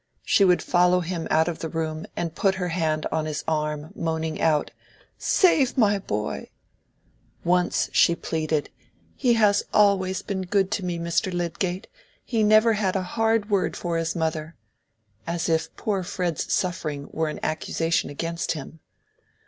She would follow him out of the room and put her hand on his arm moaning out, "Save my boy." Once she pleaded, "He has always been good to me, Mr. Lydgate: he never had a hard word for his mother,"—as if poor Fred's suffering were an accusation against him.